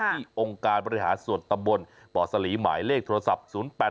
องค์การบริหารส่วนตำบลป่อสลีหมายเลขโทรศัพท์๐๘๘